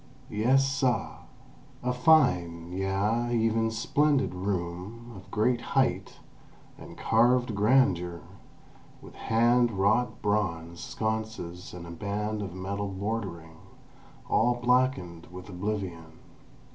Yes, suh!" A fine—yea, even a splendid room, of great height, and carved grandeur, with hand wrought bronze sconces and a band of metal bordering, all blackened with oblivion.